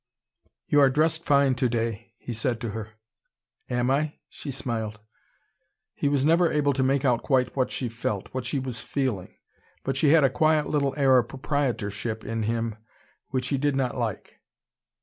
"You are dressed fine today," he said to her. "Am I?" she smiled. He was never able to make out quite what she felt, what she was feeling. But she had a quiet little air of proprietorship in him, which he did not like.